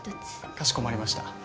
かしこまりました。